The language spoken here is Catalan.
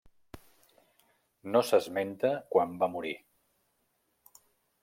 No s'esmenta quan va morir.